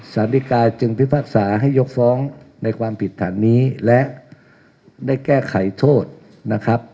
สารดีกาจึงพิพากษาให้ยกฟ้องในความผิดฐานนี้และได้แก้ไขโทษนะครับ